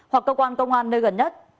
hoặc cơ quan công an nơi gần nhất